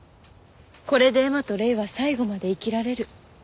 これでエマとレイは最後まで生きられる。